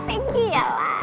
tinggi ya lan